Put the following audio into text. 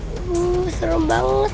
aduh serem banget